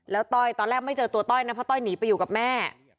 แล้วต้อยตอนแรกไม่เจอตัวต้อยนะเพราะต้อยหนีไปอยู่กับแม่